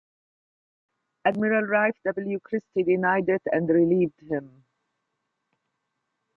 Admiral Ralph W. Christie denied it and relieved him.